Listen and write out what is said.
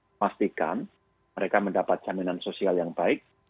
memastikan mereka mendapat jaminan sosial yang baik